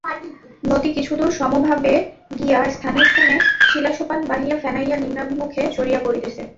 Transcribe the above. নদী কিছুদূর সমভাবে গিয়া স্থানে স্থানে শিলাসোপান বাহিয়া ফেনাইয়া নিমনাভিমুখে ঝরিয়া পড়িতেছে।